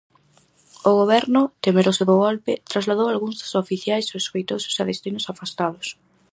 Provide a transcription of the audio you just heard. O goberno, temeroso do golpe, trasladou algúns dos oficiais sospeitosos a destinos afastados.